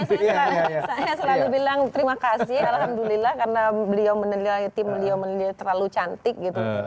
makanya saya selalu bilang terima kasih alhamdulillah karena beliau meneliti beliau meneliti terlalu cantik gitu